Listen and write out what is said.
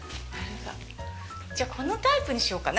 じゃあ、このタイプにしようかな。